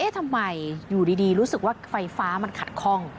ทำไมอยู่ดีรู้สึกว่าไฟฟ้ามันขัดคล่อง